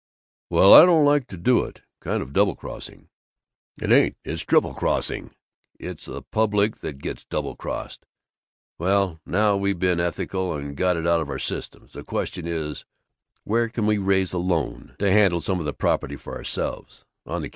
"Well, I don't like to do it. Kind of double crossing." "It ain't. It's triple crossing. It's the public that gets double crossed. Well, now we've been ethical and got it out of our systems, the question is where we can raise a loan to handle some of the property for ourselves, on the Q.